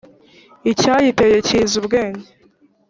Icyayiteye cyizi ubwenge